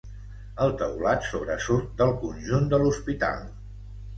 El teulat sobresurt del conjunt de l'Hospital.